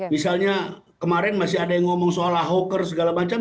misalnya kemarin masih ada yang ngomong soal ahoker segala macam